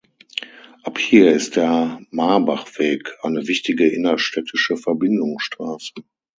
Ab hier ist der Marbachweg eine wichtige innerstädtische Verbindungsstraße.